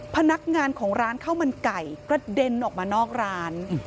พนักงานของร้านข้าวมันไก่กระเด็นออกมานอกร้าน